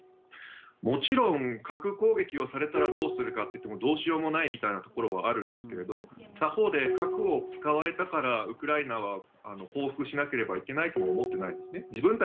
もちろん、核攻撃をされたらどうするかというと、どうしようもないみたいなところはあるんですけれど、他方で核を使われたから、ウクライナは報復しなければいけないとも思ってないんですね。